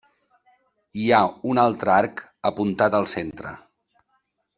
Hi ha un altre arc apuntat al centre.